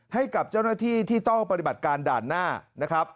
ให้กับเจ้าหน้าที่ที่ต้องปฏิบัติการด่านหน้านะครับ